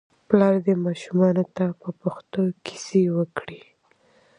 پلار دې ماشومانو ته په پښتو کیسې وکړي.